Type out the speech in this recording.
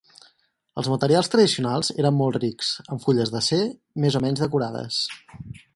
Els materials tradicionals eren molt rics, amb fulles d'acer més o menys decorades.